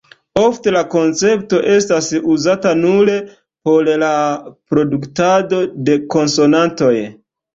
Ofte la koncepto estas uzata nur por la produktado de konsonantoj.